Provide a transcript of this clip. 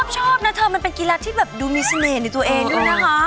ชอบนะเธอมันเป็นกีฬาที่แบบดูมีเสน่ห์ในตัวเองด้วยนะคะ